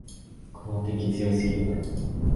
この敵、強すぎるだろ。